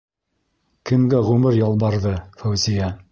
Кемгә ғүмер ялбарҙы Фәүзиә?